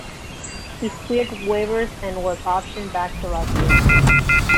He cleared waivers and was optioned back to Las Vegas.